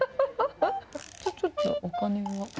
じゃあ、ちょっとお金を。